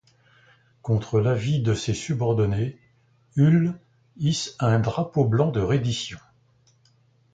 Contre l'avis de ses subordonnés, Hull hisse un drapeau blanc de reddition.